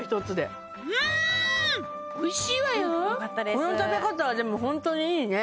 この食べ方はホントにいいね